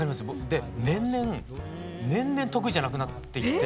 で年々年々得意じゃなくなっていって。